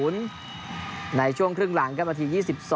ในช่วงครึ่งหลังครับนาที๒๒